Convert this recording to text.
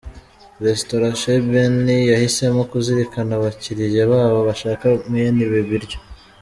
Restaurant Chez Benny yahisemo kuzirikana abakiriya babo bashaka mwene ibi biryo.